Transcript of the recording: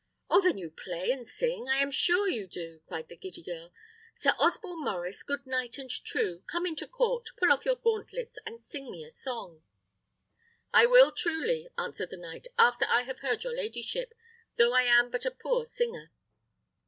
"Oh, then you play and sing! I am sure you do," cried the giddy girl. "Sir Osborne Maurice, good knight and true, come into court, pull off your gauntlets, and sing me a song." "I will truly," answered the knight, "after I have heard your ladyship, though I am but a poor singer.'"